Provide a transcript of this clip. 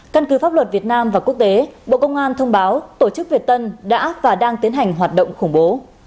căn cứ pháp luật việt nam và quốc tế bộ công an thông báo tổ chức việt tân đã và đang tiến hành hoạt động khủng bố